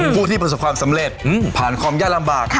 ผู้ที่ประสบความสำเร็จผ่านความยากลำบาก